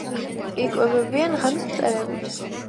იკვებებიან ღამის მწერებით.